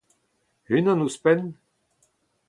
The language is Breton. Unan ouzhpenn ?